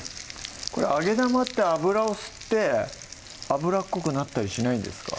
これ揚げ玉って油を吸って油っこくなったりしないんですか？